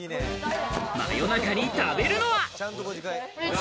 夜中に食べるのは？